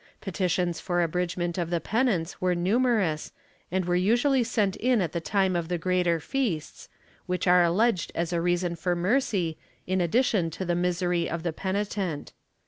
Petitions for abridgement of the penance were numerous and were usually sent in at the time of the greater feasts, which are alleged as a reason for mercy, in addition to the misery of the penitent.